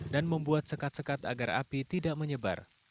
dan membuat sekat sekat agar api tidak menyebar